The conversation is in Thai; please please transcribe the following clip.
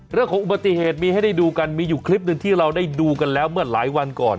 เรื่องของอุบัติเหตุมีให้ได้ดูกันมีอยู่คลิปหนึ่งที่เราได้ดูกันแล้วเมื่อหลายวันก่อน